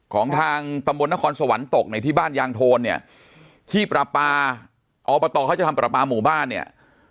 ของทางตำบลนครสวรรค์ตกในที่บ้านยางโทนเนี่ยที่ประปาอบตเขาจะทำประปาหมู่บ้านเนี่ย